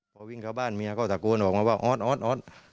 ก่อวิ่งเข้าบ้านเมียก็ตะกูลวิ่งออกมาว่าอ๊อต